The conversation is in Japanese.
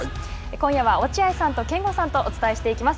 今夜は、落合さんと憲剛さんとお伝えしていきます。